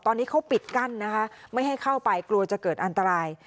ตอนนี้เขาปิดกั้นนะคะไม่ให้เข้าไปกลัวจะเกิดอันตราย